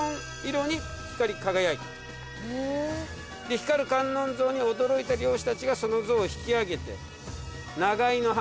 光る観音像に驚いた漁師たちがその像を引きあげて。